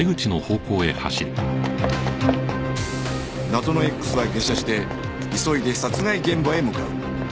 謎の Ｘ は下車して急いで殺害現場へ向かう